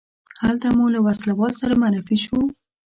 هلته مو له ولسوال سره معرفي شوو.